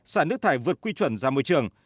xả nước thải vượt quy chuẩn ra môi trường